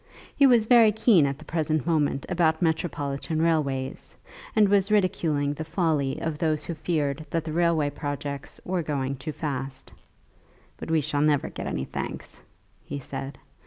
He was very keen at the present moment about Metropolitan railways, and was ridiculing the folly of those who feared that the railway projectors were going too fast. "But we shall never get any thanks," he said.